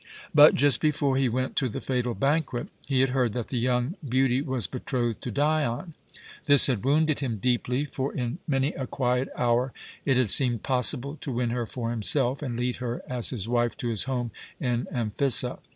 But, just before he went to the fatal banquet, he had heard that the young beauty was betrothed to Dion. This had wounded him deeply; for in many a quiet hour it had seemed possible to win her for himself and lead her as his wife to his home in Amphissa.